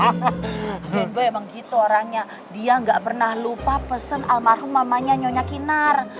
bombe emang gitu orangnya dia nggak pernah lupa pesen almarhum mamanya nyonya kinar